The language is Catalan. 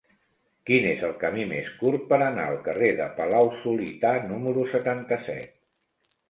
Quin és el camí més curt per anar al carrer de Palau-solità número setanta-set?